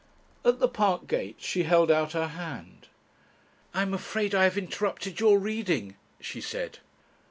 At the park gates she held out her hand. "I'm afraid I have interrupted your reading," she said.